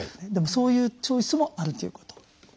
でもそういうチョイスもあるということ。